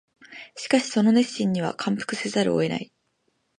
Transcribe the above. しかしその熱心には感服せざるを得ない